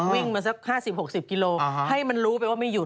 วิ่งมาสัก๕๐๖๐กิโลให้มันรู้ไปว่าไม่หยุด